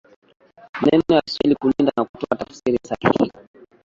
maneno ya Kiswahili Kulinda na kutoa tafsiri sahihi